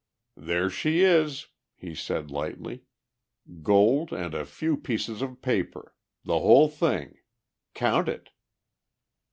"There she is," he said lightly. "Gold and a few pieces of paper. The whole thing. Count it."